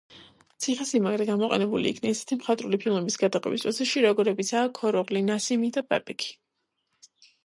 ციხე-სიმაგრე გამოყენებული იქნა ისეთი მხატვრული ფილმების გადაღების პროცესში, როგორებიცაა: „ქოროღლი“, „ნასიმი“ და „ბაბექი“.